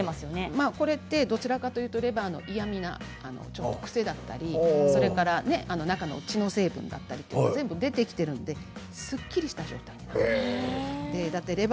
どちらかというとレバーの嫌みな癖だったり中の血の成分だったりみんな出てきているのですっきりした状態になっています。